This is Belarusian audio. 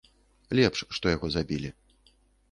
Лепш, што яго забілі.